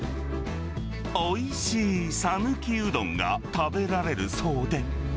おいしいさぬきうどんが食べられるそうで。